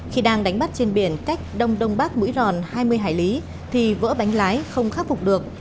khi đang đánh bắt trên biển cách đông đông bắc mũi ròn hai mươi hải lý thì vỡ bánh lái không khắc phục được